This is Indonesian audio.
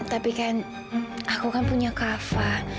tapi kan aku kan punya kafa